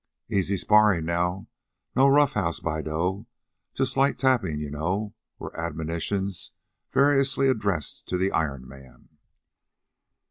"Easy sparring now"; "No roughhouse, Bideaux"; "Just light tapping, you know," were admonitions variously addressed to the Iron Man.